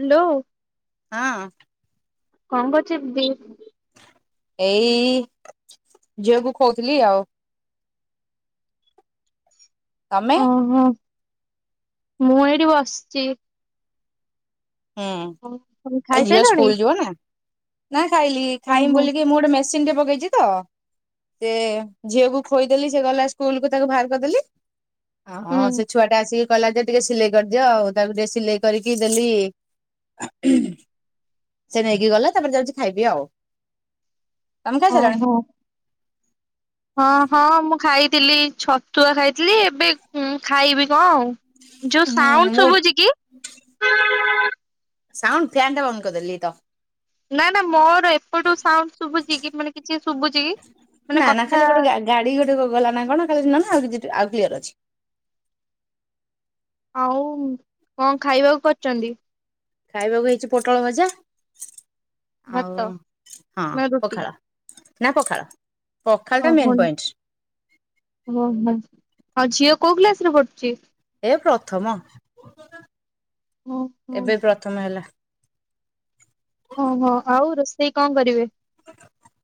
Hello. ହଁ। କଣ କରୁଚ ଦିଦି? ଏଇ ଝିଅକୁ ଖୋଉଥିଲି ଆଉ। ତମେ? ଅ ହଁ ମୁଁ ଏଇଠି ବସ୍ଚି। ହୁଁ ତମେ ଏ ଝିଅ ଖାଇସାଇଲଣି? ସ୍କୁଲ୍ ଯିବ ନା, ନା ଖାଇଲି ଖାଇମି ଓହୋ ବୋଲିକି ମୁଁ ଗୋଟେ ମେ ସିନ୍ ଟେ ପକେଇଚି ତ। [unintelligible] ଝିଅକୁ ଖୋଇଦେଲି ସେ ଗଲା ସ୍କୁଲ୍ କୁ ତାକୁ ବାହାର କରିଦେଲି। ହଁ ସେ ଛୁଆଟା ଆସିକି କହିଲା ଯେ ଟିକେ ସିଲେଇ କରିଦିଅ ଆଉ, ତାକୁ ଟିକେ ସିଲେଇ କରିକି ଦେଲି। ସେ ନେଇକି ଗଲା, ତାପରେ ଯାଉଚି ଖାଇବି ଆଉ। ତମେ ଖାଇସାରିଲଣି? [unintelligible] ହଁ-ହଁ ମୁଁ ଖାଇଥିଲି ଛତୁଆ ଖାଇଥିଲି, ଏବେ ଉଁ ଖାଇବି କଣ ଆଉ। ଯୋଉ ହୁଁ ସାଉଣ୍ଡ ମୁଁ ଶୁଭୁଛି କି? ସାଉଣ୍ଡ ଫ୍ୟାନ୍ ଟା ବନ୍ଦ କରିଦେଲି ଏଇତ। ନା ନା ମୋର ଏପଟୁ ସାଉଣ୍ଡ ଶୁଭୁଛି କି, ମାନେ କିଛି ଶୁଭୁଚି କି ମାନେ ନା ନା ଖାଲି କଥା। ଗୋଟେ ଗା ଗାଡି ଗୋଟେ ଗଲା ନା କଣ ଖାଲି ଶୁଣାଗଲା, ଆଉ କିଛି ଆଉ କ୍ଲିୟର ଅଛି। ଆଉ କଣ ଖାଇବାକୁ କରିଚନ୍ତି? ଖାଇବାକୁ ହେଇଚି ପୋଟଳ ଭଜା ଭାତ ଆଉ ହଁ ନା ରୁଟି? ପଖାଳ। ନା ପଖାଳ। ପଖାଳ ଟା ଆଉ ମେନ୍ ପଏଣ୍ଟ ଝିଅ କୋଉ କ୍ଲାସ୍ ରେ ପଢୁଚି? ଏ ପ୍ରଥମ, ଓହୋ ଏବେ ପ୍ରଥମ ହେଲା। ଓହୋ, ଆଉ ରୋଷେଇ କଣ କରିବେ?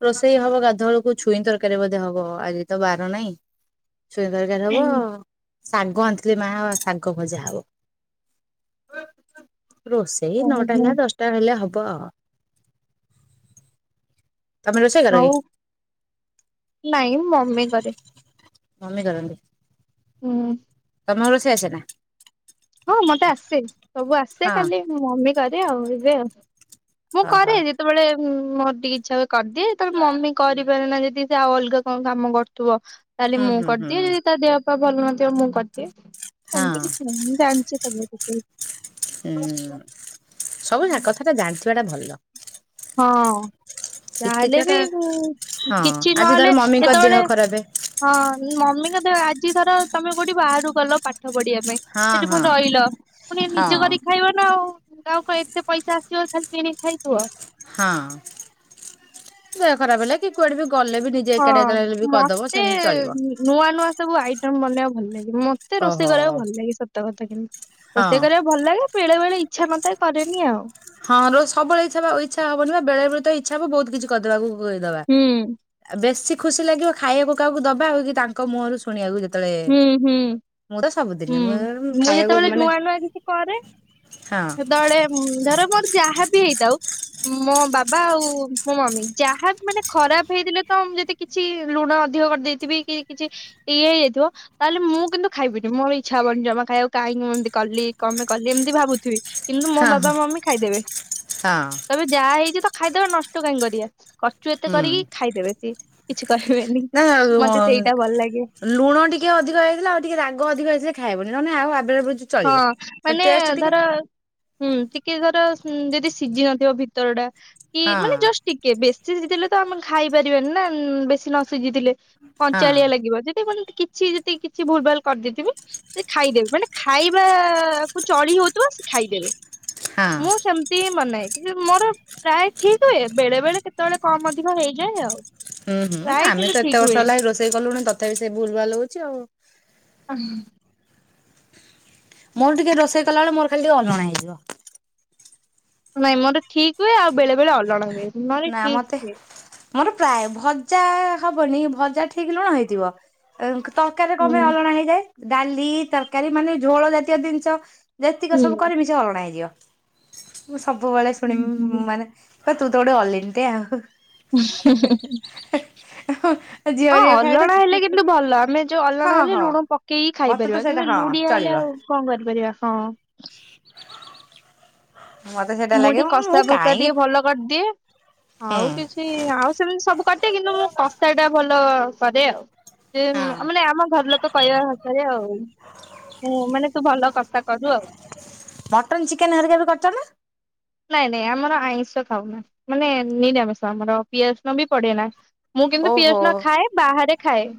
ରୋଷେଇ ହବ ଗାଧୁଆ ବେଳକୁ ଛୁଇଁ ତରକାରୀ ବୋଧେ ହବ ଆଜି ତ ବାର ନାହିଁ। ଛୁଇଁ ତରକାରୀ ହବ ଶାଗ ଆଣିଥିଲେ ମା ଶାଗ ଭଜା ହବ, ରୋଷେ ଏଇ ନଅଟା ଓହୋ ହେଲା ଦଶଟା ହେଲେ ହବ ଆଉ। ତମେ ରୋଷେଇ କର କି? ହଉ, ନାଇଁ ମମି କରିବେ। ମମି କରନ୍ତି? ହୁଁ। ତମକୁ ରୋଷେଇ ଆସେନା? ହଁ ମତେ ଆସେ ସବୁ ଆସେ ହଁ ଖାଲି ମମି କରେ ଆଉ ଏବେ ଆଉ, ମୁଁ ହ ହ କରେ ଯେ ତବଳେ ମୋର ଟିକେ ଇଚ୍ଛା ହୁଏ କରିଦିଏ, ଯେତେବେଳେ ମମି କରିପାରେନା ଯଦି ସେ ଆଉ ଅଲଗା କଣ କାମ କରୁଥିବ ତାହେଲେ ହୁଁ ମୁଁ ହୁଁ କରିଦିଏ ହୁଁ। ଯଦି ତା ଦେହପାହା ଭଲ ନଥିବ ମୁଁ କରିଦିଏ ହଁ ସେମ୍ତି କିଛି ନାହିଁଁ। ଜାଣିଚି ସବୁ କିଛି [inaudible] ହଁ ତ ଜାଣିଥିବାଟା ଭଲ। ହଁ। ଯାହାହେଲେ ଶିଖିଥିବା ବି ଟା ଉଁ ହଁ କିଛି ଆଜି ଧର ନହେଲେ ମମିଙ୍କ ଦେହ କେତେବେଳେ ଖରାପ ହଁ ମମିଙ୍କ ଦେହ ଆଜି ଧର ତମେ କୋଉଠି ବାହାରୁ ଗଲ ପା ଠ ପଢିବା ପାଇଁ ହଁ ସେଠି ହଁ ପୁଣି ରହିଲ ପୁଣି ହଁ ନିଜେ କରି ଖାଇବ ନା ଆଉ [unintelligible] କାଇ ଏତେ ପଇସା ଆସଥିବ ଖାଲି କିଣି ଖାଇ ସୁଅ। ହଁ ଦେହ ଖରାପ ହେଲେ କି କୁଆଡେ ବି ଗଲେ ବି ନି ହଁ ମୋତେ ନୂଆ ନୂଆ ସବୁ ଆଇଟମ୍ ବନେଇବାକୁ ଭଲ ଲାଗେ ମ ତେ ରୋଷେଇ ଓହୋ କରିବାକୁ ଭଲ ଲାଗେ ସତ କଥା କିନ୍ତୁ ହଁ। ରୋଷେଇ କରିବାକୁ ଭଲ ଲାଗେ ବେଳେବେଳେ ଇଚ୍ଛା ନଥାଇ କରେନି ଆଉ। ହଁ ରୋ ସବୁବେଳେ ଇଛା ବ ଇଚ୍ଛା ହବନି ବା ବେଳେବେଳେ ତ ଇଚ୍ଛା ହବ ବହୁତ କିଛି କରିଦବାକୁ [unintelligible] ଦବା। ହୁଁ ବେଶୀ ଖୁସି ଲାଗିବ ଖାଇବାକୁ କାହାକୁ ଦବା ଆଉ କି ତାଙ୍କ ମୁହରୁ ଶୁଣିବାକୁ ଯେତେଳେ ହୁଁ ହୁଁ। ହୁଁ ମୁଁ ଯେତେବେଳେ ମାନେ ନୂଆ ନୂଆ କିଛି କରେ ହଁ ସେତେବେଳେ ହୁଁ ଧର ମୋର ଯାହାବି ହେଇଥାଉ ମୋ ବାବା ଆଉ ମୋ ମମି ଯାହା ମାନେ ଖରାପ ହେଇଥିଲେ ତ ମୁଁ ଯଦି କିଛି ଲୁଣ ଅଧିକ କରି ଦେଇଥିବି କି କିଛି ଇଏ ହେଇଯାଇଥିବ ତାହେଲେ ମୁଁ କିନ୍ତୁ ଖାଇବିନି ମୋର ଇଚ୍ଛା ହବନି ଜମା ଖାଇବାକୁ କାହିଁକି ମୁଁ ଏମିତି କଲି କଣ ପାଇଁ କଲି ଏମିତି ଭାବୁଥିବି। କିନ୍ତୁ ମୋ ହଁ ବାବା ମମି ଖାଇଦେବେ। ହଁ କହିବେ ଯାହା ହେଇଛି ତ ଖାଇଦେବା ନଷ୍ଟ କାହିଁ କରିଆ। କର୍ଚୁ ଏତେ ହୁଁ କରିକି ଖାଇଦେବେ ସେ କିଛି କହିବେନି ନା ମତେ ସେଇଟା ଭଲ୍ ଲାଗେ। ଲୁଣ ଟିକେ ଅଧିକ ହେଇଥିଲେ ଆଉ ଟିକେ ରାଗ ଅଧିକ ହେଇଥିଲେ ଖାଇବନି ନହେଲେ ଆଉ ଆ [unintelligible] ହଁ ମାନେ ଧର ହୁଁ ଟିକେ ଧର ଉଁ ଯଦି ସିଝି ନଥିବ ଭିତର ଟା କି ହଁ ମାନେ ଜଷ୍ଟ ଟିକେ ବେଶି ସିଝି ଥିଲେ ତ ଆମ ଖାଇ ପାରିବାନି ନା ବେଶୀ ନ ସିଝିଥିଲେ। ହଁ କଞ୍ଚାଲିଆ ଲାଗିବ ଯଦି ମାନେ କିଛି ଯଦି କିଛି ଭୁଲ୍ ଭାଲ୍ କରି ଦେଇଥିବି ସେ ଖାଇଦେବେ ମାନେ ଖାଇବାକୁୁ ଚଳି ହଉଥୁବ ସେ ଖାଇଦେବେ ହଁ। ମୁଁ ସେମ୍ ତି ମନାଏ [unintelligible] ମୋର ପ୍ରାୟ ଠିକ୍ ହୁଏ ବେଳେ ବେଳେ କେତେବେଳେ କମ୍ ଅଧିକ ହେଇଯାଏ ଆଉ। ହୁଁ ହୁଁ ପ୍ରାୟ ଆମେ କିନ୍ତୁ ତ ଏତେ ଠିକ ବର୍ଷ ହୁଏ। ହେଲାଣି ରୋଷେଇ କଲୁଣି ତଥାପି ସେ ଭୁଲ୍ ଭାଲ୍ ହଉଛି ଆଉ। [unintelligible] ମୋର ଟିକେ ରୋଷେଇ କଲାବେଳେ ମୋର ଖାଲି ଟିକେ ଅଲଣା ହେଇଯିବ। ନାଇଁ ମୋର ଠିକ୍ ହୁଏ ଆଉ ବେଳେ ବଳେ ଅଲଣା ହୁଏ। ନହେଲେ ନା ଠିକ ମତେ ହୁଏ। ମୋର ପ୍ରାୟ ଭଜା ହବନି ଭଜା ଠିକ୍ ଲୁଣ ହେଇଥିବ। ଏ ତରକାରୀରେ କଣ ହୁଁ ପାଇଁ ଅଲଣା ହେଇଯାଏ ଡାଲି ତରକାରୀ ମାନେ ଝୋଳ ଜାତୀୟ ଜିନିଷ। ଯେତିକ ସବୁ ହୁଁ। କରିମି ସେ ଅଲଣା ହେଇଯିବ ମୁଁ ସବୁବେଳେ ଶୁଣି ହୁଁ ହୁଁ। ମାନେ କ ତୁ ତୋ ଗୋଟେ ଆଲିନ୍ ଟି ଆଉ। [unintelligible] [unintelligible] ହଁ ଖାଇବେ ଅଲଣା ହେଲେ କିନ୍ତୁ ଭଲ ଆମେ ଯୋ ହଁ ଅଲଣା ହେଲେ ହଁ। ଲୁଣ ପକେଇ ମତେ ତ ଖାଇପାରିବା ସେଇଟା କିନ୍ତୁ ହଁ ଲୁଡିଆ ହେଲେ ଚଳିବ। ଆଉ କଣ କରିପାରିବା ହଁ। ମତେ ସେଇଟା ମୁଁ ଲାଗେ ଟିକେ କଷା ଫଷା କାହିଁକି ଟିକେ ଭଲ କର୍ ଦିଏ ହୁଁ। ଆଉ କିଛି [unintelligible] ଆଉ ସେମିତି ସବୁ କରିଦେଇ କିନ୍ତୁ ମୁଁ କସ୍ଟା ଟା ଭଲ କରେ ଆଉ। ସେ ହଁ। ବଲେ ଆମ ଘର୍ ଲୋକ କହିବା ଭାଷାରେ ଆଉ। ହୁଁ ମାନେ ତୁ ଭଲ କଷା କରୁ ଆଉ। ମଟନ୍ ଚିକେନ୍ ହରିକା ବି କରିଚ ନା? ନାଇଁ ନାଇଁ ଆମର ଆଇଁଷ ଖାଉ ନା ମାନେ ନିରାମିଷ ଆମର ପିଆଜ ସୁନ ପଡେ ନା। ମୁଁ କିନ୍ତୁ ପିଅଜ ଓହୋ। ନ ଖାଏ ବାହାରେ ଖାଏ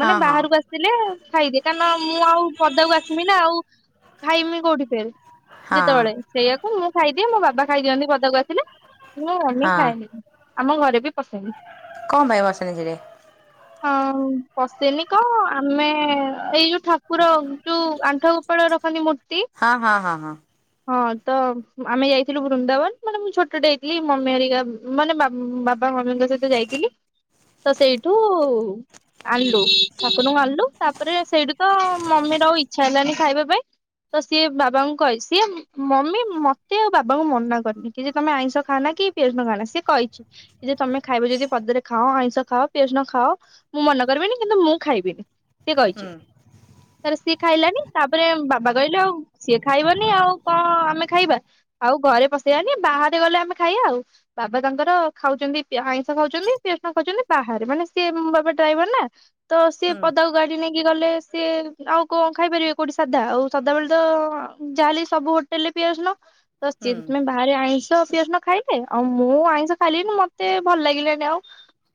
ହଁ ମାନେ ହଁ ବାହାରକୁ ଆସ ସିଲେ ଖାଇଦିଏ କାରଣ ମୁଁ ଆଉ ପଦାକୁ ଆସିବି ନା ଆଉ ଖାଇମିନି କୋଉଠି ଫେର। ହଁ ଯେତେବେଳେ ସେଇଆକୁ ମୁଁ ଖାଇଦିଏ ମୋ ବାବା ଖାଇଦିଅନ୍ତି ପଦାକୁ ଆସିଲେ, ଏ ମୁଁ ମାନିକି ହଁ ଖାଇଏନି। ଆମ ଘରେ ବି ପସେନି। କଣ ପାଇଁ ବସିନି କିରେ? ହଁ ପସେନି କଣ ଆମେ ଏଇ ଯୋଉ ଠାକୁର ଯୋଉ ଆଣ୍ଠ ଆ ଗୋପାଳ ରଖନ୍ତି ମୂର୍ତ୍ତି। ହଁ ହଁ ହଁ ହଁ। ହଁ ତ ଆମେ ଯାଇଥିଲୁ ବୃନ୍ଦାବନ ମାନେ ମୁଁ ଛୋଟେ ଟେ ଯାଇଥିଲି ମମି ହରିକା ମାନେ ବାବା ମମିଙ୍କ ସହିତ ଯାଇ ଥିଲି ତ ସେଇଠୁ ଆଣଲୁ। ଠାକୁରଙ୍କୁ ଆଣଲୁ ତାପରେ ସେଇଠୁ ତ ମମିର ଆଉ ଇଚ୍ଛା ହେଲାନି ଖାଇବା ପାଇଁ। ତ ସିଏ ବାବାଙ୍କୁ କହେ ସିଏ ମମି ମତ ତେ ଆଉ ବାବାଙ୍କୁ ମନା କରିନି କି ଯେ ତମେ ଆଇଁଷ ଖାାନା କି ପିଅଜରସନ ଖାନା ସେ କହିଚି। ଯେ ତମେ ଖାଇବ ଯଦି ପଦରେ ଖାଅ ଆଇଁଷ ଖାଅ ପିଆଜ ରସୁଣ ଖାଅ। ମୁଁ ମନା କରିବିନି କିନ୍ତୁ ମୁଁ ଖାଇବିନି ସେି ହୁଁ କହିଚି। ତାପରେ ସିଏ ଖାଇଲାନି। ତାପରେ ବାବା କହିଲେ ଆଉ ସିଏ ଖାଇବନି ଆଉ କଣ ଆମେ ଖାଇବା? ଆଉ ଘରେ ପସେଇବାନି ବାହାରେ ଗଲେ ଆମେ ଖାଇବା ଆଉ। ବାବା ତାଙ୍କର ଖାଉଚନ୍ତି ଆଇଁଷ ଖାଉଚନ୍ତି। ପିଆସ ରସୁଣ ଖାଉଚନ୍ତି ବାହାରେ ମାନେ ସିଏ ମୋ ବାବା ଡ୍ରାଇଭର ନା? ତ ସିଏ ହୁଁ ପଦାକୁ ଗାଡି ନେଇକି ଗଲେ ସିଏ ଆଉ କଣ ଖାଇପାରିବେ କୋଉଠି ସାଧା? ଆଉ ସଦାବେେଳେ ତ ଯାହାେଲେ ସବୁ ହୋଟେଲରେ ପିଆଜ ରସୁଣ। ତ ହୁଁ ସେଥିପାଇଁ ତମେ ବାହାରେ ଆଇସ ତ ପିଆଜ ରସୁଣ ଖାଇଲେ ଆଉ ମୁଁ ଆଇଁଷ ଖାଇଲିଣିି ମତେ ଭଲ ଲାଗିଲାନି ଆଉ।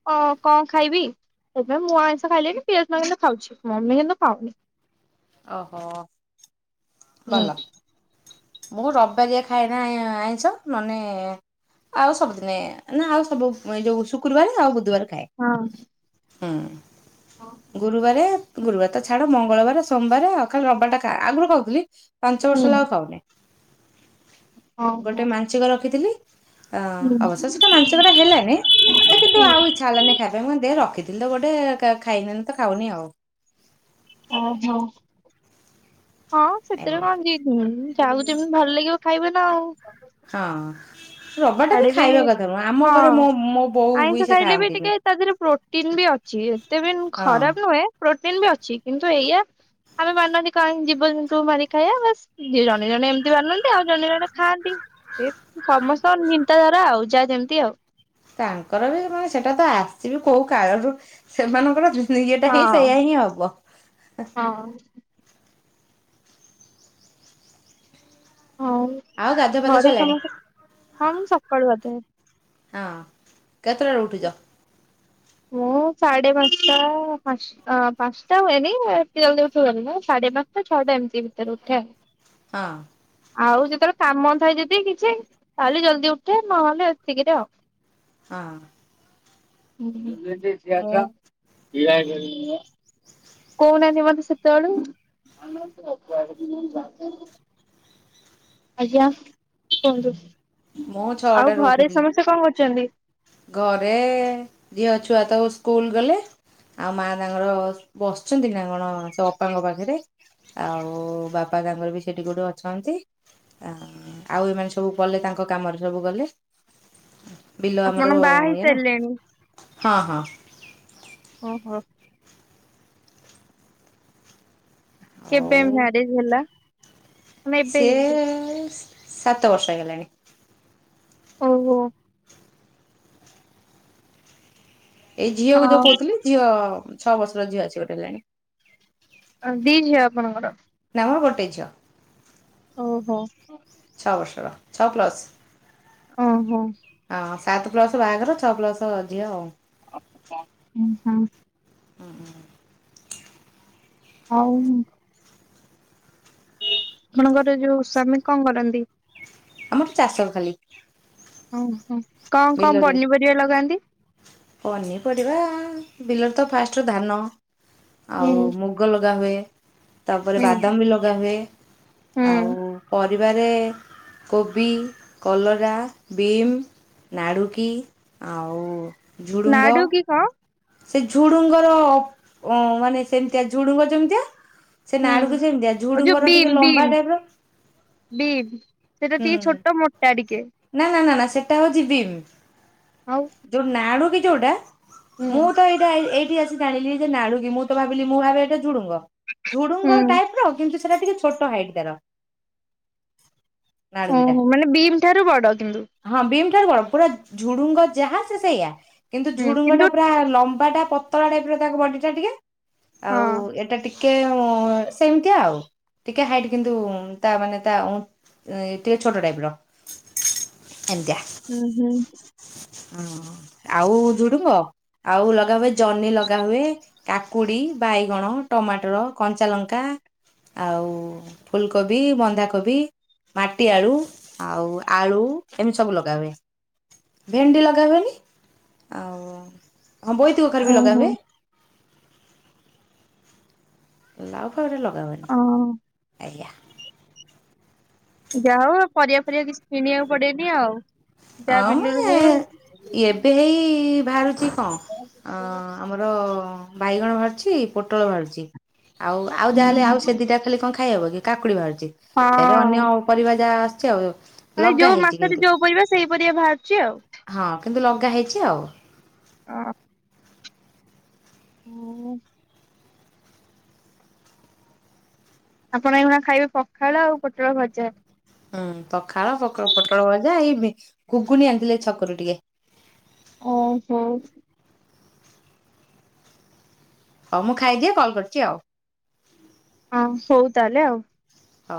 ହଁ କଣ ଖାଇବି ସେପାଇ ମୁଁ ଆଇଁଷ ଖାଇଲେ ବି ପିଆଜ କିନ୍ତୁ ଖାଉଚି। ମମି କିନ୍ତୁ ଖାଉନି। ଓହୋ ହୁଁ। ଭଲ। ମୁଁ ରିବିବାରିଆ ଖାଇନାଏ ଆଇଁଷ ନହେଲେ ଆଉ ସବୁଦିନେ ନା ଆଉ ସବୁ ଏ ଯୋଉ ଶୁକ୍ରବାରେ ଆଉ ବୁଧବାର ଖାଏ। ହଁ। ଓହୋ। ହୁଁ ଗୁରୁବାରେ ଗୁରୁବାର ତ ଛାଡ ମଙ୍ଗଳବାର ସୋମବାର ଆଉ ଖାଲି ରବିବାର ଟା ଖା ଆଗରୁ ଖାଉଥିଲି ପାଞ୍ଚ ବର୍ଷ ହେଲା ଆଉ ଖାଉନାଇ। ଗୋଟେ ମାଞ୍ଚିକ ରଖିଥିଲି। ଅ ହୁଁ। ଅବଶ୍ୟ ସେଟା ମାଂସଙ୍କଟା ହେଲାନି ହେଲେ କିନ୍ତୁ ଆଉ ଇଚ୍ଛା ହେଲାନି। ଖାଇବା ପାଇଁ ମୁଁ ଦେ ରଖିଥିଲି ତ ଗୋଟେ ଖା ଖାଇନେନି ତ ଖାଉନି ଆଉ। ଓହୋ। ଆଉ ହଁ ସେଥିରେ ଏଇଆ କଣ ଜି ହୁଁ ଯାଉ ଯେମତି ଭଲ ଲାଗିବ ଖାଇବେ ନା ଆଉ। ହଁ ରବିବାରଟା ବି ଖାଇବା କଥା ନୁହ। ଆମ ହଁ ଘରେ ମୋ ବୋଉ ବି ଆଇଁଷ ସେ ଖାଇଲେ ଟିକେ ଖାଆନ୍ତିନି। ତା ଦିହରେ ପ୍ରୋଟିନ ବି ଅଛି। ଏତେ ବି ହଁ ଖରାପ ନୁହେଁ ପ୍ରୋଟିନ ବି ଅଛି କିନ୍ତୁ ଏଇଆ ଆମେ ମାନନ୍ତି କାଇଁ ଜୀବଜନ୍ତୁ ମାରିକି ଖାଇବା ବସ୍ ଯିଏ ଜଣେ ଜଣେ ଏମିତି ମାନନ୍ତି ଆଉ ଜଣେ ଜଣେ ଖାଆନ୍ତି ସେ ସମସ୍ କଣ ଚିନ୍ତା ଧାରା ଆଉ ଯାଆ ଯେମିତି ଆଉ ତାଙ୍କର ବି ମାନେ ସେଟା ତ ଆସିବେ କୋଉ କାଳରୁ ସେମାନଙ୍କର ୟେ ଟା ହିଁ ସେଇୟା ହଁ। ହିଁ ହବ। ହଁ। ହଁ ଆଉ ଗାଧୁଆ ପାଧୁଆ ଘରେ ସରିଲାଣି ସମସ୍ତେ ହଁ ମୁଁ ସକାଳୁ ଗାଧାଏ। ହଁ କେତେଟାରେ ଉଠିଚ? ହଁ ସାଢ଼େ ପାଞ୍ଚଟା ପାଞ୍ଚ ଅଁ ପାଞ୍ଚଟା ହୁଏନି ଏତେ ଜଲଦି ଉଠି ହୁଏନି ନା ସାଢେ ପାଞ୍ଚଟା ଛଅଟା ଏମିତି ଭିତରେ ଉଠେ ଆଉ। ହଁ। ଆଉ ଯେତେବେଳେ କାମ ଥାଏ ଯଦି କିଛି ତାହେଲେ ଜଲ୍ଦି ଉଠେ ନହେଲେ ଏତିକିରେ ଆଉ। ହଁ। ଛି ମୁଁ ଆଚ୍ଛା ବି [inaudible] କହୁନାହାନ୍ତି ମତେ ସେତେବେଳୁ ଆଜ୍ଞା କୁହନ୍ତୁ? ମୋ ଛ ଆଉ ଘରେ ସମସ୍ତେ କଣ କରୁଛନ୍ତି? ଘରେ ଝିଅ ଛୁଆ ତ ସ୍କୁଲ ଗଲେ ଆଉ ମାଆ ତାଙ୍କର ବସିଛନ୍ତି ନା କଣ ସେ ଅପାଙ୍କ ପାଖରେ? ଆଉ ବାପା ତାଙ୍କର ବି ସେଠି କଉଠି ଅଛନ୍ତି। ଆଉ ଏମାନେ ସବୁ ଗଲେ ତାଙ୍କ କାମରେ ସବୁ ଗଲେ ବିଲ ଆ ବାି ହେଇ ସାରିଲେଣି ହଁ ଓହୋ? ଆଉ କେବେ ମ୍ୟାରେଜ ହେଲା? ନା ଏବେ ସେି ହେଇଛି ସାତ ବର୍ଷ ହେଇଗଲାଣି। ଓହୋ। ଏଇ ଝିଅ କୁ ଯୋଉ ହଁ କହୁଥିଲି ଝିଅ ଛଅ ବର୍ଷର ଝିଅ ଆସି ଗୋଟେ ହେଲାଣି। ଦିଝିଅ ଆପଣଂକର? ନାମ ଗୋଟେ ଝିଅ। ଓହୋ। ଛଅ ବର୍ଷର ଛଅ ପ୍ଲସ୍ ଓହୋ। ହଁ ସାତ ପ୍ଲସ ବାହାଘର ଛଅ ପ୍ଲସ ଝିଅ ଆଉ। ହଁ ହଁ। ଉଁ ହୁଁ ହଉ ଆପଣଙ୍କର ଯୋଉ ସ୍ଵାମୀ କଣ କରନ୍ତି? ଆମର ଚାଷ ଖାଲି। ଓହୋ କଣ କଣ ବିଲରେ ପନିପରିବା ଲଗାନ୍ତି? ପନିପରିବା ବିଲରେ ତ ଫାଷ୍ଟ ଧାନ ଆଉ ହୁଁ ମୁ ମୁଗ ଲଗାହୁଏ ତାପରେ ବାଦାମ ବି ଲଗାହୁଏ ଆଉ ହୁଁ ପ ପରିବାରେ କୋବି କଲରା ବିମ୍ ନାଡ଼ୁକି ଆଉ ଝୁଡ଼ୁଙ୍ଗ ନାଡୁକି କଣ? ସେ ଝୁଡୁଙ୍ଗର ଅ ମାନେ ସେମିତିଆ ଝୁଡୁଙ୍ଗ ଯେମିତିଆ। ସେ ହୁଁ ନାଡୁକୁ ସେମିତିଆ ଓ ଝୁଡୁଙ୍ଗର ଟିକେ ଲମ୍ବା ଟାଇପ ର। ବି ସେଟା ହୁଁ ଟିକେ ଛୋଟ ମୋଟା ଟିକେ। ନା ନା ନା ନା ସେଟା ହଉଚି ଵିମ। ଆଉ। ଯୋଉ ନାଡୁକି ଯୋଉଟା ହୁଁ ମୁଁ ତ ଏଇଟା ଏଇଠି ଆସି ଜାଣିଲି ଜେ ନାଡୁକି ମୁଁ ତ ଭାବିଲି ମୁଁ ଭାବେ ଏଟା ଝୁଡୁଙ୍ଗ। ଝୁଡୁଙ୍ଗ ହୁଁ ଟାଇପ ର କିନ୍ତୁ ସେଟା ଟିକେ ଛୋଟ ହାଇଟ୍ ତାର। ନାଡୁକିଟା ଓହୋ ମାନେ ବିମ୍ ଠାରୁ ବଡ କିନ୍ତୁ। ହଁ ବିମ୍ ଠାରୁ ବଡ଼ ପୁରା ଝୁଡୁଙ୍ଗ ଯାହା ସେ ସେଇଆ କିନ୍ତୁ ହୁଁ କିନ୍ତୁ ଝୁଡୁଙ୍ଗଟା ଆ ଲମ୍ବାଟା ପତଳା ଟାଇପ୍ ର ତା ବଡ଼ିଟା ଟିକେ ହଁ ଆଉ ଏଟା ଟି କେ ଉଁ ସେମିତି ଆଉ ଟିକେ ହାଇଟ୍ କିନ୍ତୁ ତା ମାନେ ତା ଉଁ ଏ ଟିକେ ଛୋଟ ଟାଇପ୍ ର ଏମତିଆ। ହୁଁ ହୁଁ। ହଁ ଆଉ ଝୁଡୁଙ୍ଗ ଆଉ ଲଗା ହୁଏ ଜହ୍ନି ଲଗା ହୁଏ। କାକୁଡ଼ି ବାଇଗଣ ଟମାଟର କଞ୍ଚାଲଙ୍କା। ଆଉ ଫୁଲକୋବି, ବନ୍ଧାକୋବି। ମାଟି ଆଳୁ ଆଉ ଆଳୁ ଏମିତି ସବୁ ଲଗା ହୁଏ। ଭେଣ୍ଡି ଲଗା ହୁଏନି ଆଉ ହଁ ବୋଇତି କଖାରୁ ବି ଲଗା ଓହୋ ହୁଏ। ଲାଉ ଫାଉରେ ଲଗା ହୁଏନି ଓ ଆଜ୍ଞା। ଯା ହଉ ଆଉ ଏ ପରିଆ ଫରିଆ କିଛି କିଣିବାକୁ ପଡ଼େନି ଆଉ। ଯାହା ହଁ ମୁଁ ବିଲରୁ ହୁଏ ଏଁ ଏବେ ହେଇ ବାହାରୁଚି କଁ ଅଁ ମର ବାଇଗଣ ବାହାରୁଛି ପୋଟଳ ବାହାରୁଚି ଆଉ ଆଉ ଯାହା ହେଲେ ଆଉ ସେ ଦିଟା ଖାଲି କଁ ଖାଇହବ କି କାକୁଡ଼ି ବାହାରୁଚି ଫେରେ ଅନ୍ୟ ପରିବା ଯାହା ଆସଚି ଆଉ। ଅରେ ଲଗା ଯୋଉ ହେଇଛି ମାସରେ କିନ୍ତୁ ଯୋଉ ପରିବା ସେଇ ପରିବା ବାହାରୁଚି ଆଉ। ହଁ କିନ୍ତୁ ଲଗା ହେଇଚି ଆଉ। ଅ ମୁଁ ଆପଣ ଏଇକ୍ଷୁଣା ଖାଇବେ ପଖାଳ ଆଉ ପୋଟଳ ଭଜା। ହଁ ପଖାଳ ପୋକ ପୋଟଳ ଭଜା ଏଇ ବି କୁଗୁନି ଆଣିଥିଲେ ଛକୁରୁ ଟିକେ। ଓହୋ। ଅ ମୁଁ ଖାଇଦିଏ କଲ୍ କରୁଚି ଆଉ। ହଁ ହୋଉ ତାହେଲେ ଆଉ। ଅ